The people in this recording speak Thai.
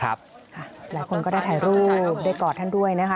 หลายคนก็ได้ถ่ายรูปได้กอดท่านด้วยนะคะ